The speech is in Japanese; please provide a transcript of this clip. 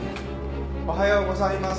おはようございます。